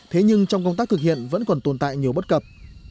thế nhưng trong công tác thực hiện vẫn còn tồn tại nhiều bất cập